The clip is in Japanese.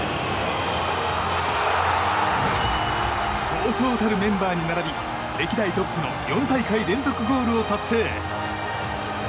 そうそうたるメンバーに並び歴代トップの４大会連続ゴールを達成。